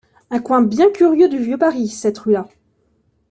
Un coin bien curieux du vieux Paris, cette rue-là!